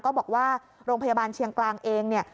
ก็บอกว่าโรงพยาบาลเชียงกลางเองเนี่ย